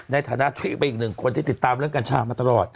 ในฐานะทริปเป็นอีกหนึ่งคนที่ติดตามเรื่องกัญชามาตลอด